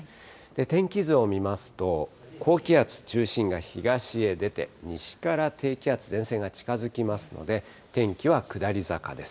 天気図を見ますと、高気圧、中心が東へ出て、西から低気圧、前線が近づきますので、天気は下り坂です。